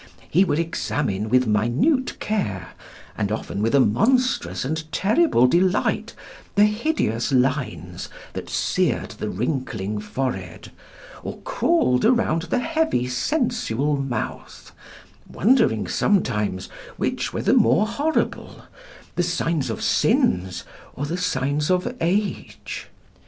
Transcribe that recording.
He would examine with minute care, and often with a monstrous and terrible delight, the hideous lines that seared the wrinkling forehead, or crawled around the heavy sensual mouth, wondering sometimes which were the more horrible, the signs of sins or the signs of age.